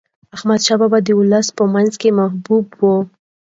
احمد شاه بابا د ولس په منځ کې محبوب و.